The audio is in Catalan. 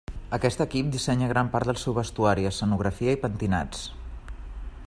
Aquest equip dissenya gran part del seu vestuari, escenografia i pentinats.